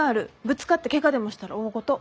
ぶつかってケガでもしたら大ごと。